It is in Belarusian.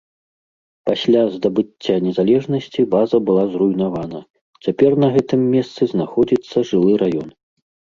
Пасля здабыцця незалежнасці база была зруйнавана, цяпер на гэтым месцы знаходзіцца жылы раён.